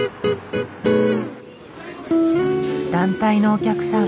団体のお客さん。